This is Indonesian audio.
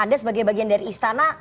anda sebagai bagian dari istana